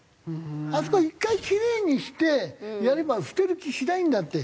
あそこは一回きれいにしてやれば捨てる気しないんだって。